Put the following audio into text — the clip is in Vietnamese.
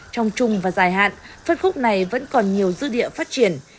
trong chung và dài hạn phân khúc này vẫn còn nhiều dư địa phát triển